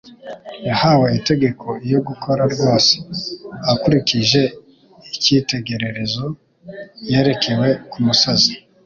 yahawe itegeko iyo gukora rwose akurikije icyitegererezo yerekewe ku musozi.